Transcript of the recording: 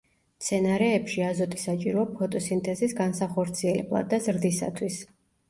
მცენარეებში, აზოტი საჭიროა ფოტოსინთეზის განსახორციელებლად და ზრდისათვის.